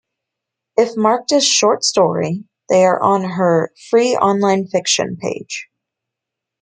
If marked as "Short story", they are on her "Free Online Fiction" page.